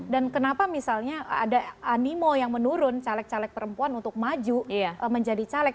dan kenapa misalnya ada animo yang menurun caleg caleg perempuan untuk maju menjadi caleg